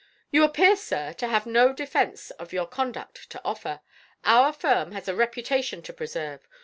"You appear, sir, to have no defence of your conduct to offer. Our firm has a reputation to preserve.